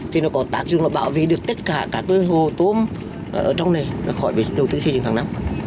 thì nó có tác dụng là bảo vệ được tất cả các hồ tôm ở trong này khỏi đầu tư xây dựng hàng năm